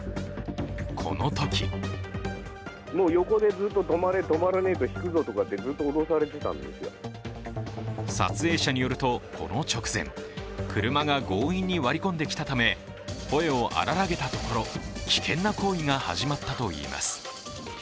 このとき撮影者によると、この直前車が強引に割り込んできたため声を荒らげたところ危険な行為が始まったといいます。